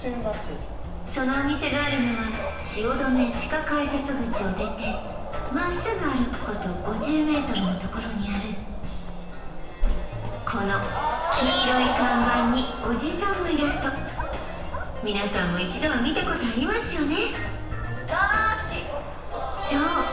そのお店があるのは汐留地下改札口を出て真っすぐ歩くこと５０ｍのところにあるこの黄色い看板におじさんのイラスト皆さんも一度は見たことありますよね？